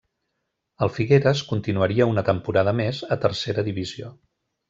El Figueres continuaria una temporada més a Tercera Divisió.